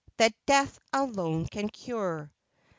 That death alone can cure.'